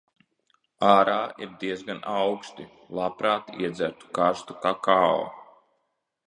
Ārā ir diezgan auksti. Labprāt iedzertu karstu kakao.